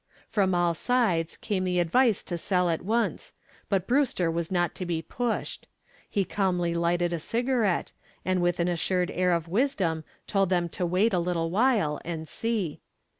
From all sides came the advice to sell at once, but Brewster was not to be pushed. He calmly lighted a cigarette, and with an assured air of wisdom told them to wait a little while and see.